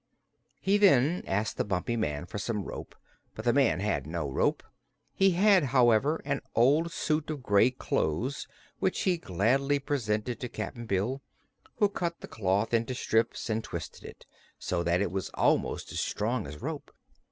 He then asked the Bumpy Man for some rope, but the man had no rope. He had, however, an old suit of gray clothes which he gladly presented to Cap'n Bill, who cut the cloth into strips and twisted it so that it was almost as strong as rope.